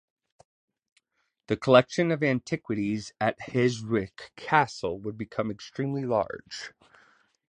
The collection of antiquities at Heeswijk Castle would become extremely large.